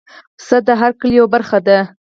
پسه د هر کلي یو برخه ده.